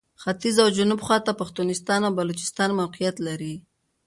ختیځ او جنوب خواته پښتونستان او بلوچستان موقعیت لري.